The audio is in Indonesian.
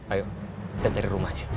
ayo kita cari rumahnya